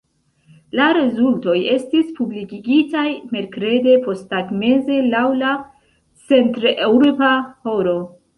La rezultoj estis publikigitaj merkrede posttagmeze laŭ la centreŭropa horo.